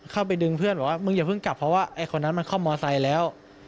เข้าไปดึงเพื่อนบอกว่ามึงอย่าเพิ่งกลับเพราะว่าไอ้คนนั้นมันเข้ามอไซค์แล้ว